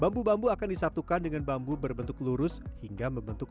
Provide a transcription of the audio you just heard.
bambu bambu akan disatukan dengan bambu berbentuk lurus hingga membentuk